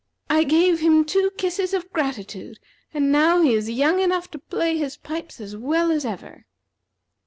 I gave him two kisses of gratitude, and now he is young enough to play his pipes as well as ever."